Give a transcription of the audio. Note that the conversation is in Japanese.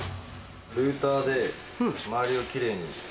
ルーターで周りをきれいに。